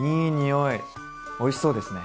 おいしそうですね。